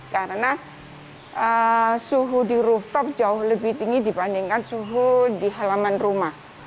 karena suhu di rooftop jauh lebih tinggi dibandingkan suhu di halaman rumah